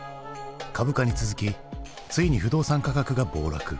株価に続きついに不動産価格が暴落。